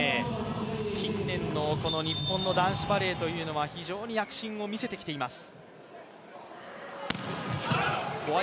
近年の日本の男子バレーは非常に躍進を見せてきています。